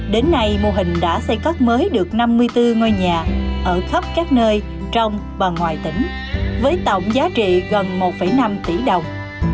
đến nay mô hình đã xây cất mới được năm mươi bốn ngôi nhà ở khắp các nơi trong và ngoài tỉnh với tổng giá trị gần một năm tỷ đồng